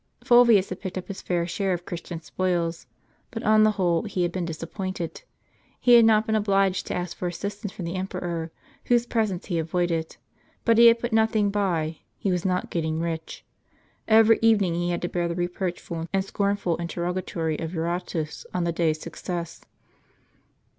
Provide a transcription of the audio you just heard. Fulvius had picked up his fair share of Christian spoils ; but, on the whole, he had been disappointed. He had not been obliged to ask for assistance from the emperor, whose presence he avoided ; but he had put nothing by ; he was not getting rich. Every evening he had to bear the reproachful and scornful interrogatory of Eurotas on the day's success.